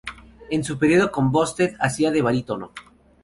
En su período con Busted hacía de barítono.